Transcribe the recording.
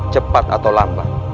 cepat atau lambat